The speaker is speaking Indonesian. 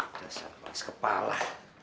udah salah bahas kepala